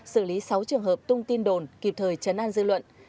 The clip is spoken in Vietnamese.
xử lý sáu trường hợp tung tin đồn kịp thời chấn an dư luận